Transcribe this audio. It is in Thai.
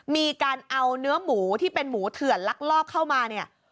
มีการเอาเนื้อหมูที่เป็นหมูเถื่อนลักลอบเข้ามาเนี่ย